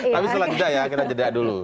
tapi setelah itu kita jeda dulu